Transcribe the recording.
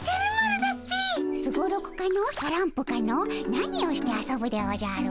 何をして遊ぶでおじゃる。